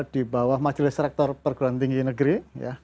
di bawah majelis rektor perguruan tinggi negeri